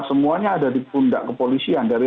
semuanya ada di pundak kepolisian dari